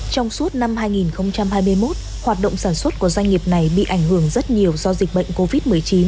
trong suốt năm hai nghìn hai mươi một hoạt động sản xuất của doanh nghiệp này bị ảnh hưởng rất nhiều do dịch bệnh covid một mươi chín